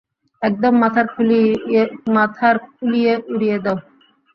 একদম মাথার খুলিয়ে উড়িয়ে দাও।